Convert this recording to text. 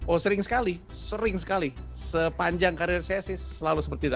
oh sering sekali sering sekali sepanjang karir saya sih selalu seperti itu